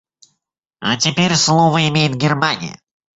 А теперь слово имеет Германия.